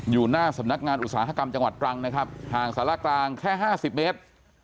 อยู่หน้าสำนักงานอุตสาหกรรมจังหวัดตรังนะครับห่างสารกลางแค่๕๐เมตร